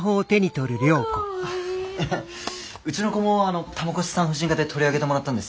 うちの子もたまこし産婦人科で取り上げてもらったんです。